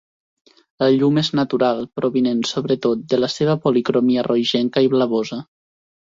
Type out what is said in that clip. La llum és natural, provinent, sobretot, de la seva policromia rogenca i blavosa.